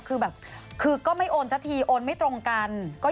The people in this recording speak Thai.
คือแบบคือก็ไม่โอนสักทีโอนไม่ตรงกัน